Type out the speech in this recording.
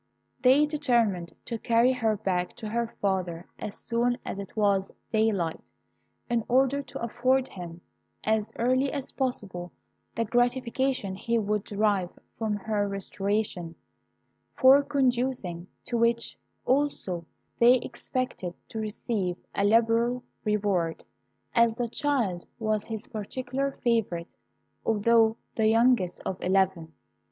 They determined to carry her back to her father as soon as it was daylight, in order to afford him, as early as possible, the gratification he would derive from her restoration, for conducing to which, also, they expected to receive a liberal reward, as the child was his particular favourite, although the youngest of eleven.